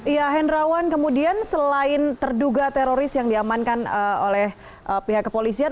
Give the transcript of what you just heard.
ya hendrawan kemudian selain terduga teroris yang diamankan oleh pihak kepolisian